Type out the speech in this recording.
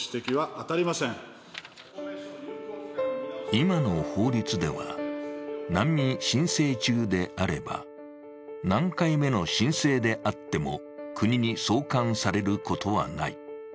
今の法律では、難民申請中であれば、何回目の申請であっても国に送還されることはない。